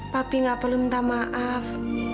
papi nggak perlu minta maaf